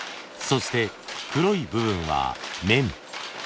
そして黒い部分は綿。